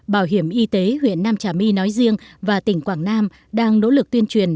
bảo hiểm y tế huyện nam trà my nói riêng và tỉnh quảng nam đang nỗ lực tuyên truyền